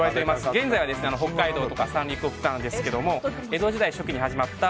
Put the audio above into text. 現在は北海道とか三陸なんですが江戸時代に始まった